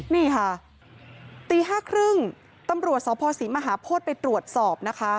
นี่ค่ะตี๕๓๐ตำรวจสภศรีมหาโพธิไปตรวจสอบนะคะ